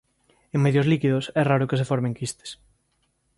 En medios líquidos é raro que se formen quistes.